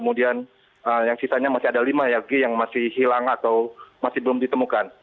kemudian yang sisanya masih ada lima g yang masih hilang atau masih belum ditemukan